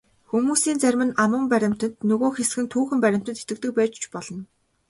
Хүмүүсийн зарим нь аман баримтад, нөгөө хэсэг нь түүхэн баримтад итгэдэг байж ч болно.